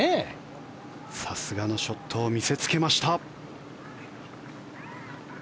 さすがのショットを見せつけました。